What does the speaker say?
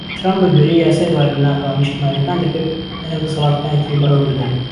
ترەمپ بە گوێرەی یاسای بارە لەناکاوە نیشتیمانیەکان دەکرد، لە نێو دەسەڵاتەکانی تری بەڕێوەبردن.